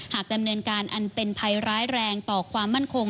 ดำเนินการอันเป็นภัยร้ายแรงต่อความมั่นคง